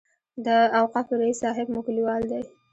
د اوقافو رئیس صاحب مو کلیوال دی.